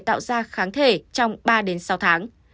tạo ra kháng thể trong ba sáu tháng